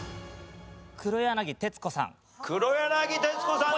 黒柳徹子さん